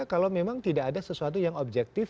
kalau memang tidak ada sesuatu yang objektif